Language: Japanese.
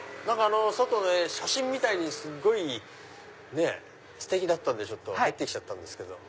外の絵写真みたいにすっごいステキだったんで入ってきちゃったんですけど。